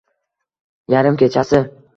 Yarim kechasi